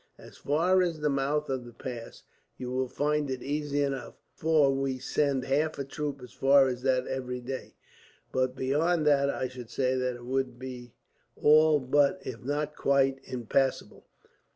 As far as the mouth of the pass you will find it easy enough, for we send half a troop as far as that every day; but beyond that I should say it would be all but, if not quite, impassable.